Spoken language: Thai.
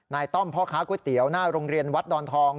ต้อมพ่อค้าก๋วยเตี๋ยวหน้าโรงเรียนวัดดอนทอง